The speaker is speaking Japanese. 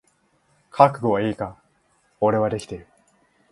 覚悟はいいか？俺はできてる。